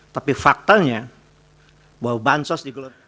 tapi faktanya bahwa bansos digelontorkan